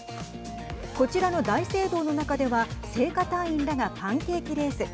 こちらの大聖堂の中では聖歌隊員らがパンケーキレース。